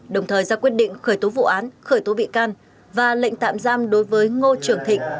đồng thời ra quyết định khởi tố vụ án khởi tố bị can và lệnh tạm giam đối với ngô trường thịnh